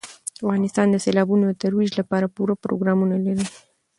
افغانستان د سیلابونو د ترویج لپاره پوره پروګرامونه لري.